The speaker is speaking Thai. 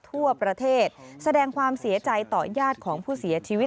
ทั่วประเทศแสดงความเสียใจต่อญาติของผู้เสียชีวิต